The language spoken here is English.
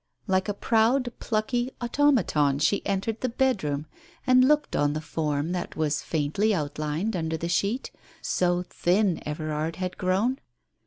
Like a proud, plucky automaton she entered the bedroom, and looked on the form that was faintly outlined under the sheet, so thin Everard had grown.